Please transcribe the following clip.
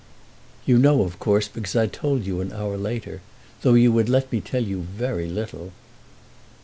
"You know, of course, because I told you an hour later, though you would let me tell you very little."